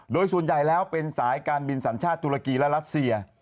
โดยส่วนใหญ่แล้วเป็นสายการบินสัญชาติตุรกีและรัสเซีย